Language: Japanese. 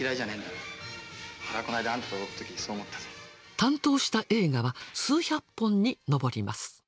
担当した映画は数百本に上ります。